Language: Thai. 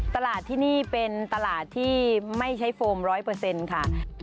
ตลาดที่นี่เป็นตลาดที่ไม่ใช้โฟมร้อยเปอร์เซ็นต์ค่ะ